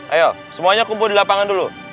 ayo semuanya kumpul di lapangan dulu